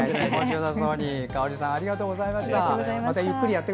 香織さんありがとうございました。